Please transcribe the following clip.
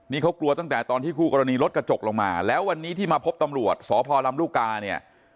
นี่เขากลัวตั้งแต่ตอนที่คู่กรณีรถกระจกลงมาแล้ววันนี้ที่มาพบตำรวจสพลำลูกกาเนี่ย